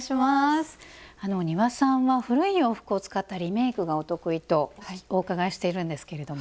丹羽さんは古い洋服を使ったリメイクがお得意とお伺いしているんですけども。